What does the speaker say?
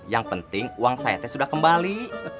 yang penting uang saya teh sudah kembali